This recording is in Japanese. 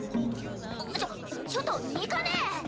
ちょちょっとニカねえ！